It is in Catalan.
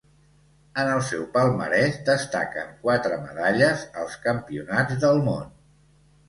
En el seu palmarès destaquen quatre medalles als Campionats del món.